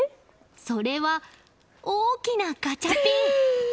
それは、大きなガチャピン。